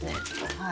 はい。